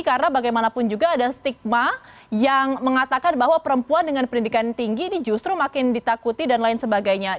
karena bagaimanapun juga ada stigma yang mengatakan bahwa perempuan dengan pendidikan tinggi ini justru makin ditakuti dan lain sebagainya